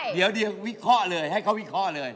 เดี๋ยววิเคราะห์เลยให้เขาวิเคราะห์เลย